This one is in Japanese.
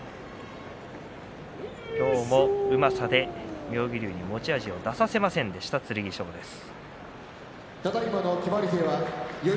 今日もうまさで妙義龍に持ち味を出させませんでした剣翔です。